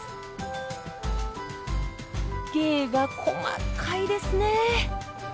芸が細かいですねぇ。